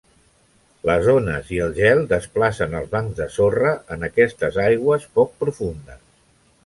Les ones i el gel desplacen els bancs de sorra en aquestes aigües poc profundes.